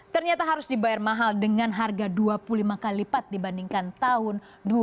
ternyata harus dibayar mahal dengan harga dua puluh lima kali lipat dibandingkan tahun dua ribu dua